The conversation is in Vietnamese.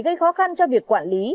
gây khó khăn cho việc quản lý